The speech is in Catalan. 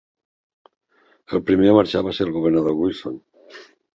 El primer a marxar va ser el governador Wilson.